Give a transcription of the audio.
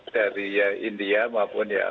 dari india maupun